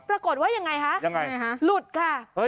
ปรากฏว่าอย่างไงหลุดค่ะ